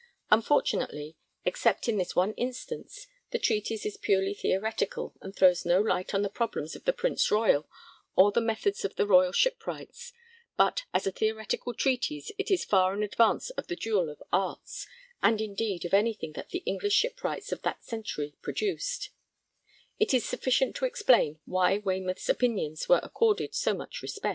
Unfortunately, except in this one instance, the treatise is purely theoretical and throws no light on the problems of the Prince Royal, or the methods of the royal shipwrights, but as a theoretical treatise it is far in advance of the 'Jewell of Artes,' and indeed of anything that the English shipwrights of that century produced, and is sufficient to explain why Waymouth's opinions were accorded so much respect.